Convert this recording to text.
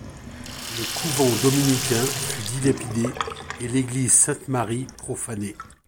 Le couvent dominicain fut dilapidé et l'église Sainte-Marie profanée.